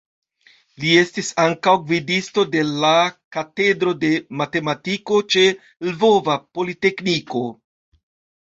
Li estis ankaŭ gvidisto de la Katedro de Matematiko ĉe Lvova Politekniko.